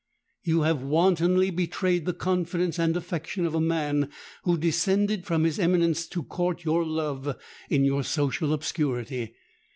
You have wantonly betrayed the confidence and affection of a man who descended from his eminence to court your love in your social obscurity.